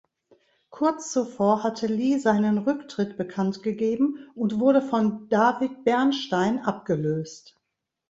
Kurz zuvor hatte Lee seinen Rücktritt bekannt gegeben und wurde von "David Bernstein" abgelöst.